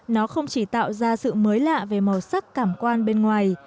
nó không chỉ tạo ra sự mới lạ về màu sắc cảm quan bên ngoài